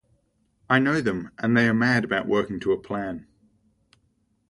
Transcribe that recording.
I know them, and they are mad about working to a plan.